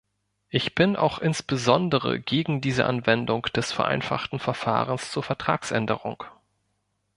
Ich bin auch insbesondere gegen diese Anwendung des vereinfachten Verfahrens zur Vertragsänderung.